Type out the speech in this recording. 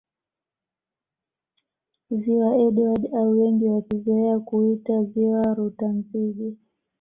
Ziwa Edward au wengi wakizoea kuita Ziwa Rutanzige